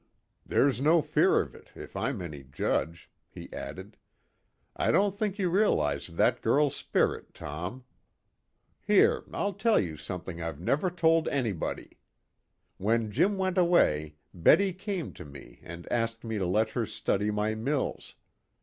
"There's no fear of it, if I'm any judge," he added. "I don't think you realize that girl's spirit, Tom. Here, I'll tell you something I've never told anybody. When Jim went away Betty came to me and asked me to let her study my mills.